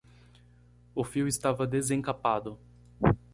O fio estava desemcapado